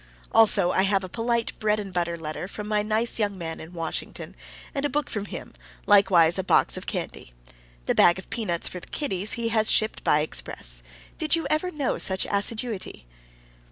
Also, I have a polite bread and butter letter from my nice young man in Washington, and a book from him, likewise a box of candy. The bag of peanuts for the kiddies he has shipped by express. Did you ever know such assiduity?